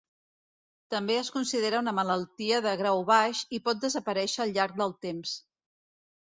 També es considera una malaltia de grau baix i pot desaparèixer al llarg del temps.